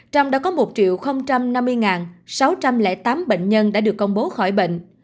trong đó có một năm mươi sáu trăm linh tám bệnh nhân đã được công bố khỏi bệnh